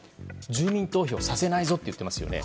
住民投票させないぞと言ってますよね。